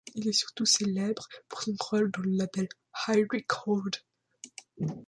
Il est surtout célèbre pour son rôle dans le label Hi Records.